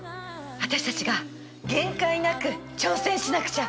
私たちが限界なく挑戦しなくちゃ。